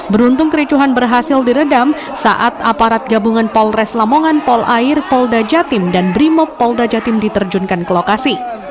beruntung kericuhan berhasil diredam saat aparat gabungan polres lamongan polair polda jatim dan brimob polda jatim diterjunkan ke lokasi